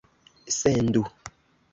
sendu